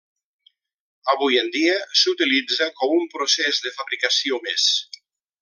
Avui en dia s'utilitza com un procés de fabricació més.